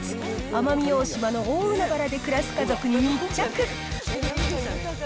奄美大島の大海原で暮らす家族に密着。